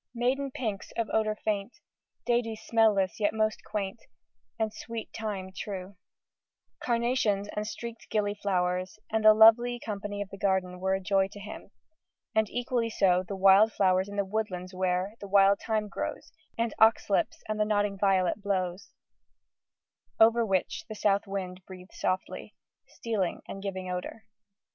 Maiden pinks of odour faint, Daisies smell less yet most quaint, And sweet thyme true; "Carnations and streaked gillyflowers," and all the lovely company of the garden, were a joy to him; and equally so the wild flowers in woodlands where "the wild thyme grows, And oxlips and the nodding violet blows," over which the south wind breathes softly, "stealing and giving odour."